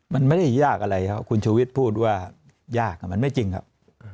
มันไม่ได้ยากอะไรครับคุณชูวิทย์พูดว่ายากมันไม่จริงครับ